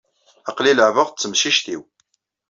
Aql-i leɛɛbeɣ d temcict-iw.